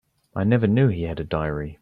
I never knew he had a diary.